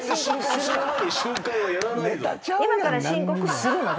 今から申告するの。